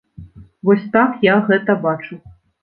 Вось так я гэта бачу.